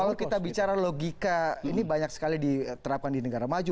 kalau kita bicara logika ini banyak sekali diterapkan di negara maju